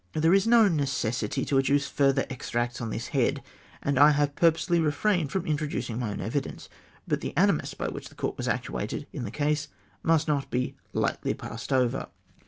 There is no necessity to adduce further extracts on this head ; and I have purposely refrained from intro ducing my own e\T.dence ; but the animus by which the Court was actuated in the case must not be lightly passed over.